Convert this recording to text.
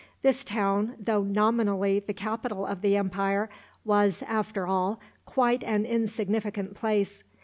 This town, though nominally the capital of the empire, was, after all, quite an insignificant place.